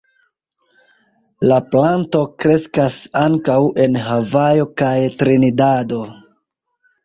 La planto kreskas ankaŭ en Havajo kaj Trinidado.